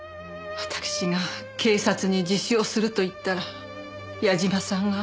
わたくしが警察に自首をすると言ったら矢嶋さんが。